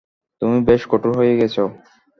তুমি বেশ কঠোর হয়ে গেছ।